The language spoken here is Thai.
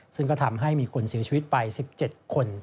ซึ่งก็ทำให้มีคนเสียชีวิตไป๑๗คน